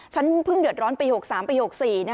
ฉันเพิ่งเดือดร้อนปี๖๓ปี๖๔